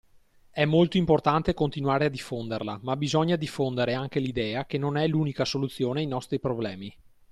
È molto importante continuare a diffonderla ma bisogna diffondere anche l'idea che non è l'unica soluzione ai nostri problemi.